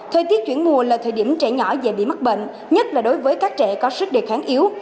thời tiết chuyển mùa là thời điểm trẻ nhỏ dễ bị mắc bệnh nhất là đối với các trẻ có sức đề kháng yếu